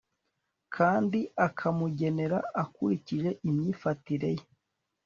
kandi akamugenera akurikije imyifatire ye